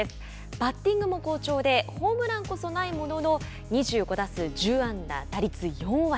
バッティングも好調でホームランこそないものの２５打数、１０安打打率４割。